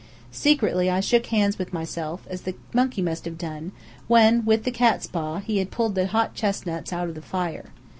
Secretly I shook hands with myself, as the monkey must have done, when, with the catspaw, he had pulled the hot chestnuts out of the fire.